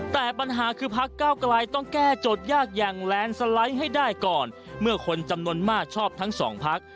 แต่ปัญหาคือพักเก้าไกลต้องแก้โจทย์ยากอย่างแลนด์สไลด์ให้ได้ก่อนเมื่อคนจำนวนมากชอบทั้งสองพัก